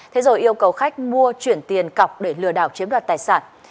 thế rồi yêu cầu khách mua chuyển tiền cọc để lừa đảo chiếm đoạt tài sản